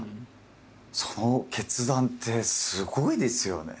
その決断ってすごいですよね。